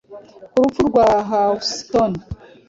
Ku rupfu rwa Houston